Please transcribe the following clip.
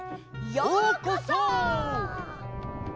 ようこそ！